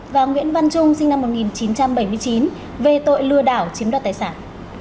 và nguyễn văn trung sinh năm một nghìn chín trăm bảy mươi chín về tội lừa đảo chiếm đoạt tài sản